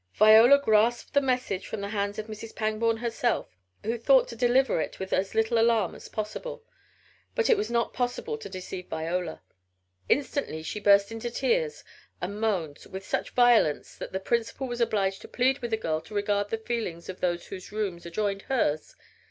Viola grasped the message from the hands of Mrs. Pangborn herself, who thought to deliver it with as little alarm as possible. But it was not possible to deceive Viola. Instantly she burst into tears and moans with such violence that the principal was obliged to plead with the girl to regard the feelings of those whose rooms adjoined hers.